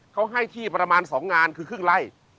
เขาให้ที่ประมาณ๒งานคือครึ่งไล่